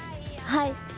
はい。